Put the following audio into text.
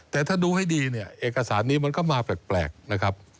แต่ถ้าดูให้ดีเนี่ยเอกสารนี้มันก็มาแปลกนะครับ